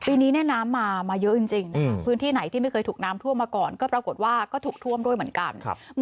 ปีนี้น้ำมาเยอะจริงพื้นที่ไหนที่ไม่เคยถูกน้ำท่วมมาก่อนก็ปรากฏว่าก็ถูกท่วมด้วยเหมือนกัน